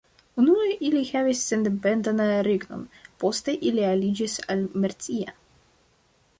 Unue ili havis sendependan regnon: poste ili aliĝis al Mercia.